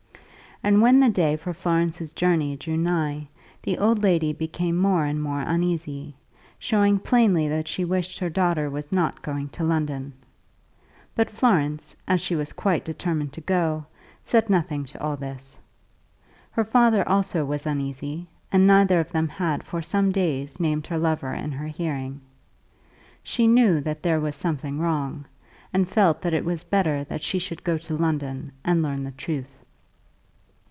And when the day for Florence's journey drew nigh, the old lady became more and more uneasy, showing plainly that she wished her daughter was not going to London. But Florence, as she was quite determined to go, said nothing to all this. Her father also was uneasy, and neither of them had for some days named her lover in her hearing. She knew that there was something wrong, and felt that it was better that she should go to London and learn the truth.